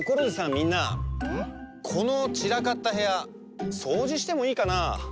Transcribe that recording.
みんなこのちらかったへやそうじしてもいいかな？